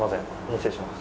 失礼します。